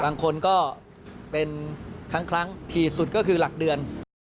บางคนก็เป็นครั้งถี่สุดก็คือหลักเดือน